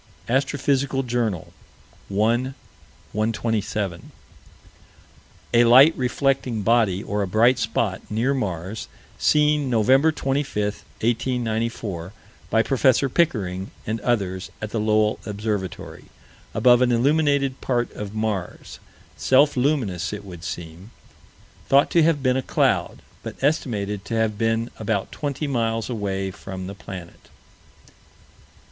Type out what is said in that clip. Astrophysical Journal, 1 127: A light reflecting body, or a bright spot near Mars: seen Nov. 25, 1894, by Prof. Pickering and others, at the Lowell Observatory, above an unilluminated part of Mars self luminous, it would seem thought to have been a cloud but estimated to have been about twenty miles away from the planet.